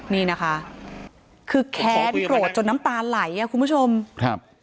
นี่นะคะคือแค้นโกรธจนน้ำตาไหลอ่ะคุณผู้ชมครับ